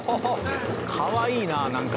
かわいいななんか。